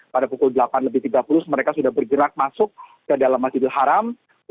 pada pukul delapan lebih tiga puluh mereka sudah bergerak masuk ke dalam masjidil haram